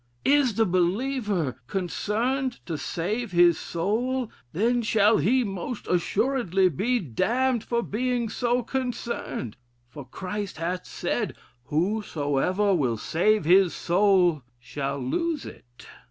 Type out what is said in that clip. Is the believer concerned to save his soul, then shall he most assuredly be damned for being so concerned: for Christ hath said, 'Whosoever will save his soul shall lose it.'